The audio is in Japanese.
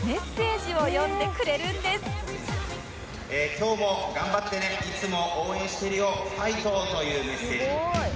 「きょうもがんばってねいつもおうえんしてるよファイト！」というメッセージ。